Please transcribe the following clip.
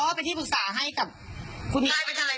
ก็แกเป็นทนายไงเป็นพิษฎระไง